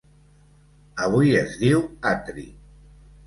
Avui es diu Atri.